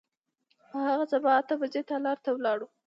په هغه سبا اته بجې تالار ته ولاړو.